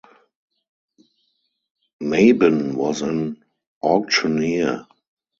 Mabon was an auctioneer.